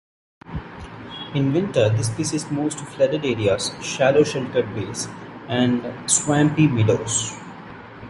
In winter, this species moves to flooded areas, shallow sheltered bays, and swampy meadows.